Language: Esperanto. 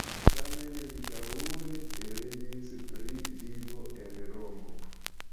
Tamen li daŭre revis pri vivo en Romo.